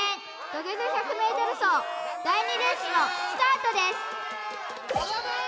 土下座１００ｍ走第２レースのスタートです・和田まん！